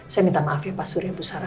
saya minta maaf ya pak surya busara